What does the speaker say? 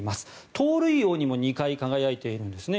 盗塁王にも２回輝いているんですね。